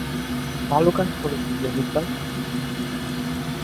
ভাল কাজ করেছ, জেনিফার।